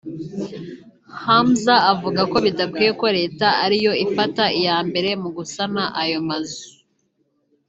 Hamza avuga ko bidakwiye ko leta ariyo ifata iya mbere mu gusana ayo mazu